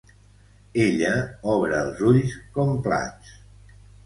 Ella obre els ulls com plats.